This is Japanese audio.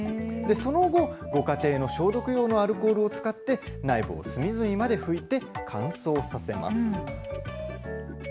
その後、ご家庭の消毒用のアルコールを使って、内部を隅々まで拭いて、乾燥させます。